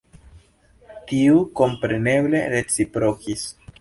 Tiu kompreneble reciprokis.”